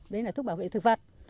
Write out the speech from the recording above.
đấy là thuốc bảo vệ thực vật